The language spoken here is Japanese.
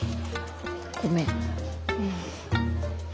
ごめん。